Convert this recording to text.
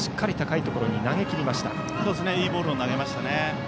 いいボールを投げましたね。